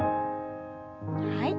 はい。